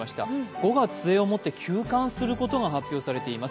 ５月末を持って休刊することが発表されています。